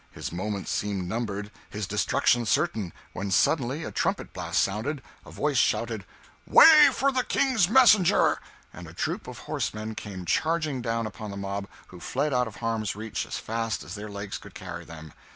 His moments seemed numbered, his destruction certain, when suddenly a trumpet blast sounded, a voice shouted, "Way for the King's messenger!" and a troop of horsemen came charging down upon the mob, who fled out of harm's reach as fast as their legs could carry them.